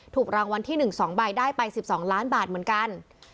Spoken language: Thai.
ถูกรางวัลที่๑๒ใบได้ไป๑๒ล้านบาทเหมือนกัน